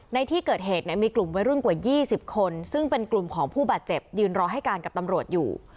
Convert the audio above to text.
ในที่เกิดเหตุเนี่ยมีกลุ่มวัยรุ่นกว่า๒๐คนซึ่งเป็นกลุ่มของผู้บาดเจ็บยืนรอให้การกับตำรวจอยู่